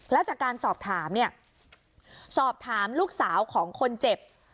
แล้วจากการสอบถามเนี่ยสอบถามลูกสาวของคนเจ็บ